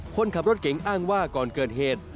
คนขับรถเก๋งอ้างว่าก่อนเกิดเหตุ